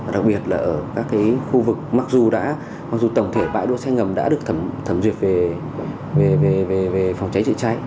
đặc biệt là ở các khu vực mặc dù tổng thể bãi đỗ xe ngầm đã được thẩm duyệt về phòng cháy trị cháy